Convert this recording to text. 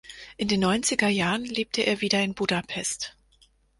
In den neunziger Jahren lebte er wieder in Budapest.